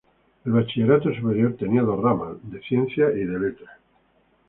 El Bachillerato superior tenía dos ramas: de Ciencias y de Letras.